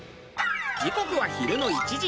時刻は昼の１時。